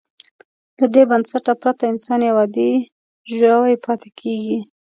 له دې بنسټه پرته انسان یو عادي ژوی پاتې کېږي.